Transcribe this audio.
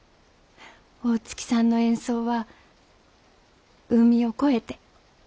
大月さんの演奏は海を越えて。